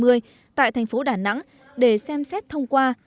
tại thành phố đà nẵng để xem xét thông qua